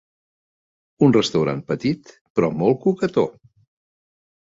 Un restaurant petit, però molt coquetó.